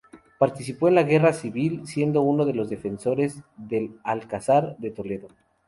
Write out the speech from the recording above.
Participó en la Guerra civil, siendo uno de los defensores del Alcázar de Toledo.